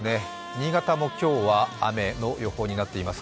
新潟も今日は雨の予報になっています。